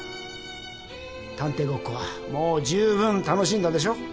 探偵ごっこはもうじゅうぶん楽しんだでしょ？